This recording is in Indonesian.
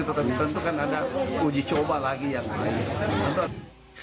tetapi tentu kan ada uji coba lagi yang lain